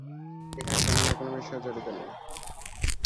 এখানে সম্মানের কোনো বিষয় জড়িত নেই।